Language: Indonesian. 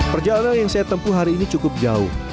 perjalanan yang saya tempuh hari ini cukup jauh